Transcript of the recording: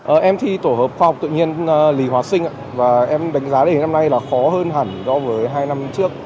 ở em thi tổ hợp khoa học tự nhiên lý hóa sinh và em đánh giá đề năm nay là khó hơn hẳn so với hai năm trước